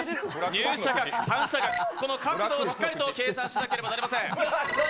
入射角、傾斜角、角度をしっかりと計算しなければなりません。